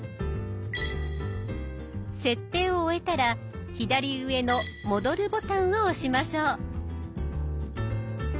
設定を終えたら左上の「戻る」ボタンを押しましょう。